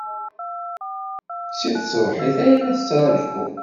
Seg tṣebḥit ay la t-ttṛajuɣ.